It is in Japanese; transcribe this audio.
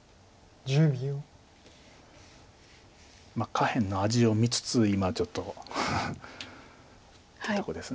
下辺の味を見つつ今ちょっとってとこです。